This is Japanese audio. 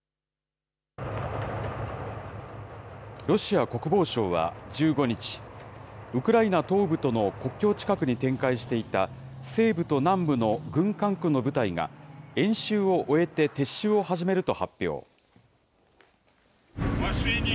ロシア国防省は１５日、ウクライナ東部との国境近くに展開していた西部と南部の軍管区の部隊が、演習を終えて撤収を始めると発表。